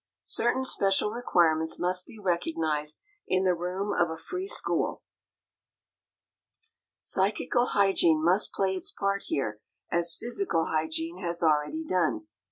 Certain special requirements must be recognized in the rooms of a free school: psychical hygiene must play its part here as physical hygiene has already done.